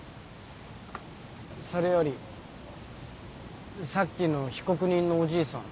それよりさっきの被告人のおじいさん